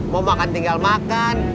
mau makan tinggal makan